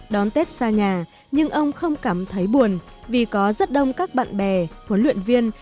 đón tết xa nhà nhưng ông không cảm thấy buồn vì có rất đông các bạn bè huấn luyện viên